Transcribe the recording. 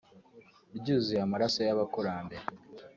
ryuzuye amaraso y’abakurambere